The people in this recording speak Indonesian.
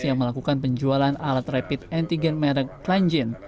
yang melakukan penjualan alat rapid antigen medek klanjin